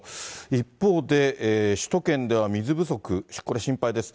一方で、首都圏では水不足、これ心配です。